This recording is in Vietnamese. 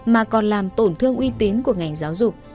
mà còn làm tổn thương uy tín của ngành giáo dục